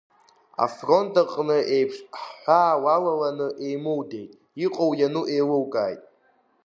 Афронт аҟны еиԥш ҳҳәаа уалаланы еимудеит, иҟоу-иану еилукааит.